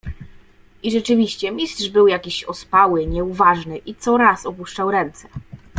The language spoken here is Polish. "I rzeczywiście, Mistrz był jakiś ospały, nieuważny i coraz opuszczał ręce."